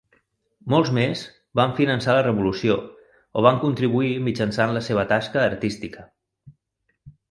Molts més van finançar la revolució o van contribuir mitjançant la seva tasca artística.